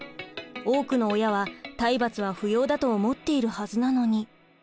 多くの親は体罰は不要だと思っているはずなのに。